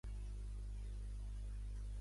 Fundà l’Agrupació de Sacerdots Missioners.